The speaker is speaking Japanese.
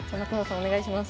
お願いします。